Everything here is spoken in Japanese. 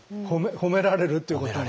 褒められるっていうことが。